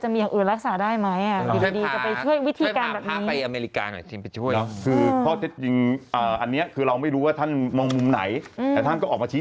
มีอย่างอื่นรักษาได้ไหม